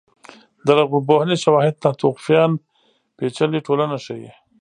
د لرغونپوهنې شواهد ناتوفیان پېچلې ټولنه ښيي.